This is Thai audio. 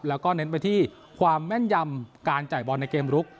แล้วก็เน้นไปที่ความแม่นยำการจ่ายบอลในเกมลุก